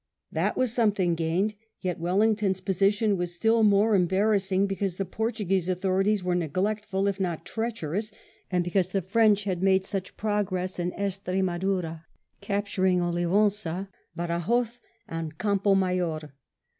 That was something gained; yet Wellington's position was still most embarrassing, because the Portuguese authorities were neglectful, if not treacherous, and because the French had made such progress in Estre madura, capturing 01iven9a, Badajos, and Campo Mayor.